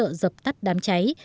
hỗ trợ dập tắt đám cháy